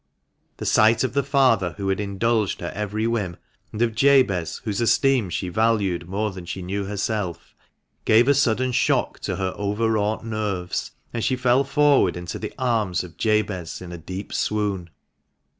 The sight of the father who had indulged her every whim, and of Jabez, whose esteem she valued more than she herself knew, gave a sudden shock to her overwrought nerves, and she fell forward into the arms of Jabez in a deep swoon.